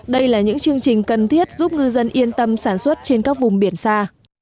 đây là những chương trình cần thiết giúp ngư dân yên tâm sản xuất trên các vùng biển xa